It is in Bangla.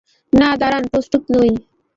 না, দাঁড়ান, প্রস্তুত নই।